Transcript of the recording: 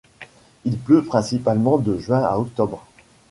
Il pleut principalement de juin à octobre.